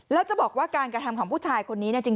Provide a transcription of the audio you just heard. แล้วจะบอกว่าการกระทำของผู้ชายคนนี้เนี่ยจริง